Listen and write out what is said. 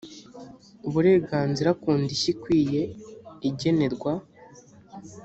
uburenganzira ku ndishyi ikwiye igenerwa